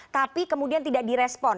tapi kemudian tidak direspon